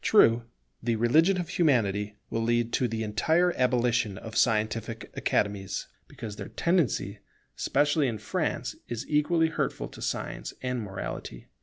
True, the religion of Humanity will lead to the entire abolition of scientific Academies, because their tendency, especially in France, is equally hurtful to science and morality.